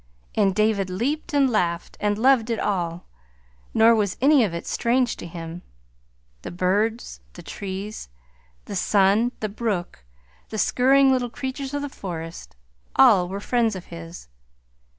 And David leaped, and laughed, and loved it all, nor was any of it strange to him. The birds, the trees, the sun, the brook, the scurrying little creatures of the forest, all were friends of his.